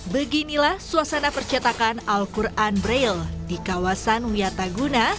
beginilah suasana percetakan al quran braille di kawasan wiataguna